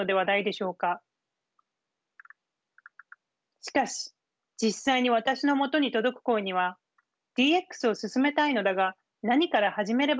しかし実際に私のもとに届く声には「ＤＸを進めたいのだが何から始めればいいのか？」